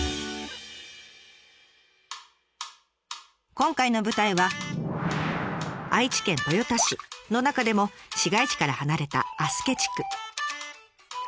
今回の舞台は愛知県豊田市の中でも市街地から離れた足助地区。